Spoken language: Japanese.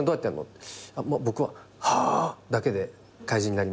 僕は「ハ！」だけで怪人になります。